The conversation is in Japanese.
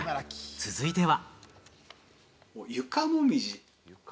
続いては。